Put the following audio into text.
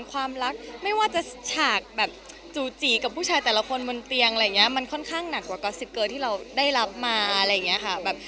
ความรักไม่ว่าจะฉากแบบจู่จีกับผู้ชายแต่ละคนบนเตียงอะไรอย่างนี้มันค่อนข้างหนักกว่าก๊อสซิกเกอร์ที่เราได้รับมาอะไรอย่างนี้ค่ะ